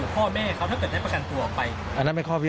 เป็นคงการขอบตัวประกันตัวออกไป